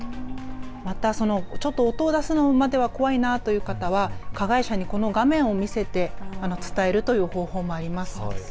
また音を出すまでは怖いなという方は加害者にこの画面を見せて伝えるという方法もあります。